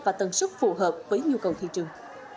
và tần suất phù hợp với nhu cầu thị trường